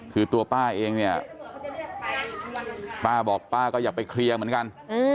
คือตัวป้าเองเนี่ยป้าบอกป้าก็อยากไปเคลียร์เหมือนกัน